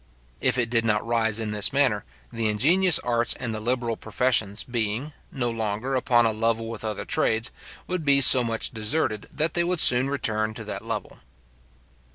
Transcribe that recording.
If it did not rise in this manner, the ingenious arts and the liberal professions, being no longer upon a level with other trades, would be so much deserted, that they would soon return to that level.